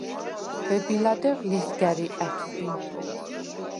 ვები ლადეღ ლიზგა̈რი ა̈თვბინ;